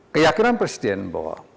keyakinan presiden bahwa